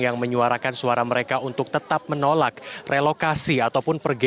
yang menyuarakan suara mereka untuk tetap menolak relokasi ataupun pergerakan